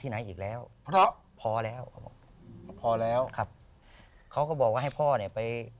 ที่ไหนอีกแล้วพอแล้วครับพอแล้วครับเขาก็บอกว่าให้พ่อเนี่ยไป